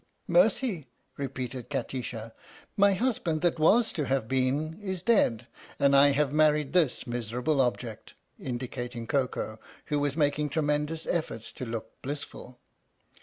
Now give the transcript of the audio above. " Mercy!" repeated Kati sha. "My husband that was to have been is dead and I have married this miserable object !" indicating Koko, who was making tremendous efforts to look blissful.